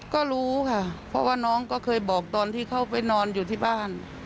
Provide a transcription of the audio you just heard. ก็รู้ค่ะเพราะว่าน้องก็เคยบอกตอนที่เขาไปนอนอยู่ที่บ้าน